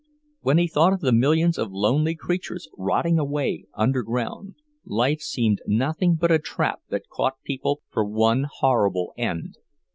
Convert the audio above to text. When he thought of the millions of lonely creatures rotting away under ground, life seemed nothing but a trap that caught people for one horrible end.